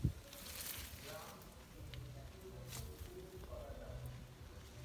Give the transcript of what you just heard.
গ্রাম ও কৃষি একইসাথে উপভোগ করা যাবে।